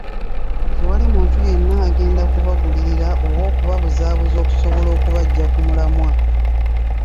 Tewali muntu yenna agenda kubagulirira oba okubabuzaabuza okusobola okubaggya ku mulamwa.